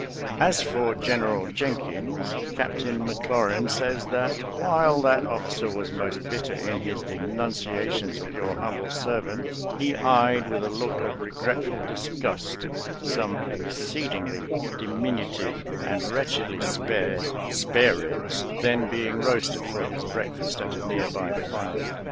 As for General Jenkins, Captain Mc Laurin says that, while that officer was most bitter in his denunciations of your humble serv ant, he eyed with a look of regretful disgust some exceedingly diminutive and wretchedly spare spareribs then being roasted for his break fast at a near by fire.